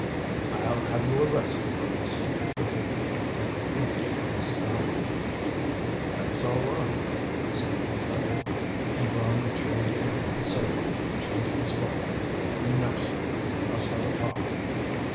"I'll have you arrested for this," repeated Theodore, impotently scowling. "That's all right," said Pentreddle, and drawing a chair near the sofa he turned to the Squire. "Now, sir, we must have a talk."